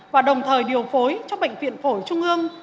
và đồng thời điều phối cho bệnh viện phổi trung ương